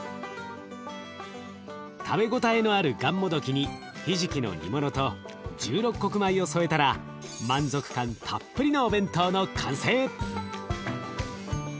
食べ応えのあるがんもどきにひじきの煮物と十六穀米を添えたら満足感たっぷりのお弁当の完成！